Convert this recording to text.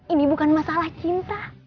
ini bukan masalah cinta